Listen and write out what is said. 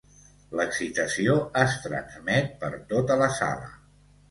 L'excitació es transmet per tota la sala.